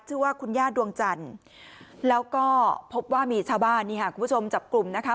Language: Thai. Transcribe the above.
ชื่อว่าคุณย่าดวงจันทร์แล้วก็พบว่ามีชาวบ้านนี่ค่ะคุณผู้ชมจับกลุ่มนะคะ